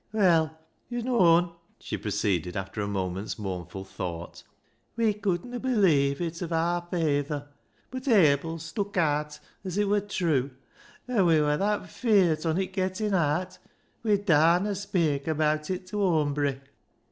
" Well, yo' known," she proceeded, after a moment's mournful thought, " we couldna believe it of aar fayther, but Abil stuck aat as it wur trew, an' we wur that feart on it gettin' aat we darrna speik abaat it ta awmbry.